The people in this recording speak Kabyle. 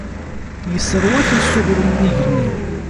Isseṛwa-ten s uɣrum n yigenni.